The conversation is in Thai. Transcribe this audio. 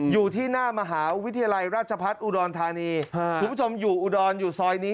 อยู่ที่หน้ามหาวิทยาลัยราชพัฒน์อุดรธานีคุณผู้ชมอยู่อุดรอยู่ซอยนี้